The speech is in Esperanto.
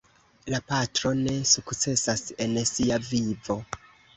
La patro ne sukcesas en sia vivo.